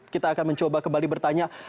kita akan mencoba kembali bertanya